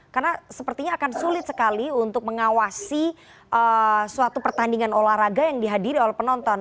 karena sepertinya akan sulit sekali untuk mengawasi suatu pertandingan olahraga yang dihadiri oleh penonton